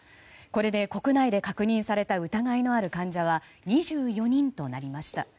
これで国内で確認された疑いのある患者は２４人となりました。